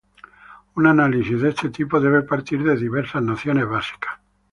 Un análisis de este tipo debe partir de diversas nociones básicas.